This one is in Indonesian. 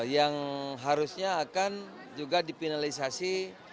yang harusnya akan juga difinalisasi